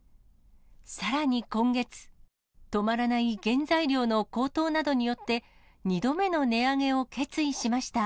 さらに今月、止まらない原材料の高騰などによって、２度目の値上げを決意しました。